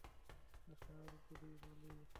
আশার গুঁড়ে বালি।